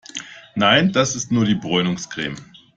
Nein, das ist nur die Bräunungscreme.